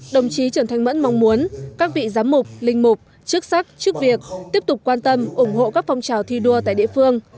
đồng chí trần thanh mẫn mong muốn các vị giám mục linh mục chức sắc chức việc tiếp tục quan tâm ủng hộ các phong trào thi đua tại địa phương